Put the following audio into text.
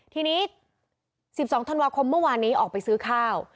ทีนี้๑๒ธันวาคมเมื่อวานนี้ออกไปซื้อข้าว